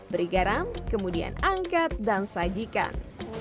beri garam kemudian angkat dan sajikan